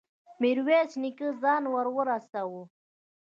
ميرويس نيکه ځان ور ورساوه.